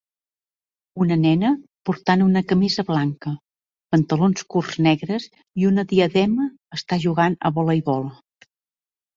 Una nena portant una camisa blanca, pantalons curts negres i una diadema està jugant a voleibol.